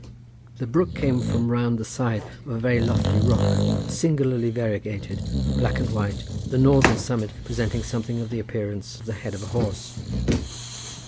The brook came from round the side of a very lofty rock, singularly variegated, black and white, the northern summit presenting something of the appearance of the head of a horse.